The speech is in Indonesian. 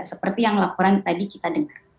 seperti yang laporan tadi kita dengar